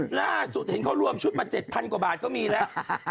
ล่าสุดเห็นเขารวมชุดมา๗๐๐กว่าบาทก็มีแล้ว